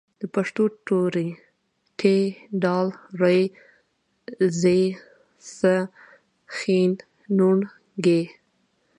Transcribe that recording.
د پښتو توري: ټ، ډ، ړ، ځ، څ، ښ، ڼ، ږ